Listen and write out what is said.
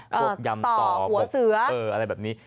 ยำต่อหัวเสืออะไรแบบนี้